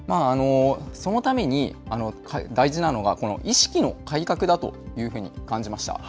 そのために大事なのがこの意識の改革だというふうに感じました。